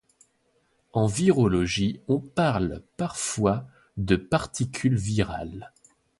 En virologie, on parle parfois de particule virale.